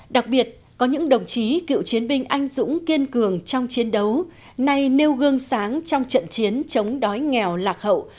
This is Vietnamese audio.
đặc biệt có những đồng chí cựu chiến binh anh dũng kiên cường trong chiến đấu nay nêu gương sáng trong trận chiến chống đói nghèo lạc hậu